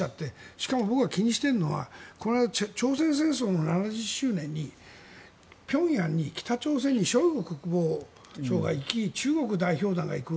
しかも僕が気にしているのは朝鮮戦争の７０周年に平壌に北朝鮮にショイグ国防相が行き中国代表団が行く。